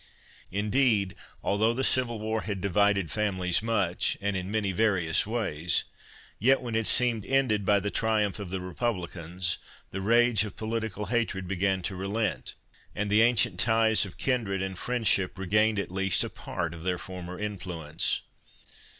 Indeed, although the Civil War had divided families much, and in many various ways, yet when it seemed ended by the triumph of the republicans, the rage of political hatred began to relent, and the ancient ties of kindred and friendship regained at least a part of their former influence.